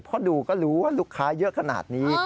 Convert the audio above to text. เพราะดูก็รู้ว่าลูกค้าเยอะขนาดนี้